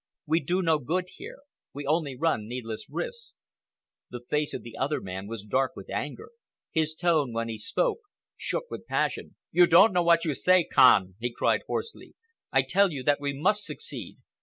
We do no good here. We only run needless risks." The face of the other man was dark with anger. His tone, when he spoke, shook with passion. "You don't know what you say, Kahn!" he cried hoarsely. "I tell you that we must succeed.